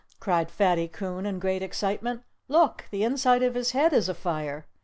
cried Fatty Coon in great excitement. "Look! The inside of his head is afire."